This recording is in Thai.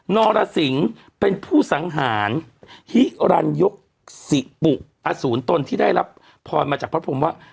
นรสิงศ์เป็นผู้สังหารฮิรันยกศิปุอสูรตนที่ได้รับพรมาจากพระพรมว่า